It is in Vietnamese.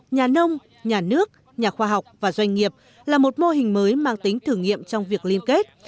nhà nông nhà nước nhà khoa học và doanh nghiệp là một mô hình mới mang tính thử nghiệm trong việc liên kết